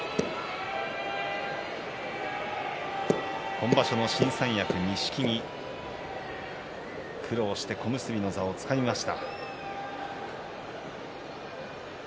今場所の新三役の錦木苦労して小結の座をつかみました。